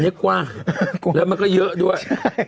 อันนี้กว้างแล้วมันก็เยอะด้วย